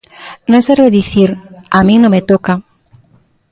Non serve dicir "a min non me toca".